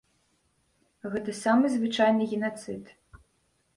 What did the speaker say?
Гэта самы звычайны генацыд.